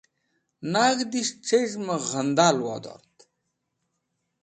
Nag̃hdis̃h c̃hez̃hmẽ ghendal wodord.